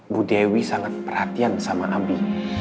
bu dewi sangat perhatian sama ambi